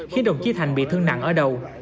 khiến đồng chí thành bị thương nặng ở đầu